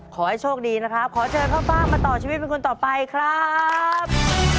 ขอให้โชคดีนะครับขอเชิญพ่อฟ่างมาต่อชีวิตเป็นคนต่อไปครับ